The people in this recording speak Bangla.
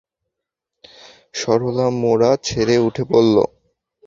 সরলা মোড়া ছেড়ে উঠে পড়ল।